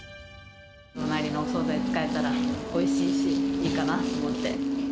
隣のお総菜が使えたら、おいしいし、いいかなと思って。